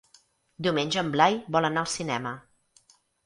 Diumenge en Blai vol anar al cinema.